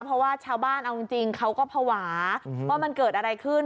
เพราะว่าชาวบ้านเอาจริงเขาก็ภาวะว่ามันเกิดอะไรขึ้น